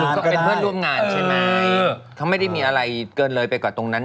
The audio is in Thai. ก็เป็นเพื่อนร่วมงานใช่ไหมเขาไม่ได้มีอะไรเกินเลยไปกว่าตรงนั้น